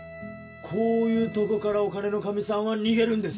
こういうとこからお金の神さんは逃げるんです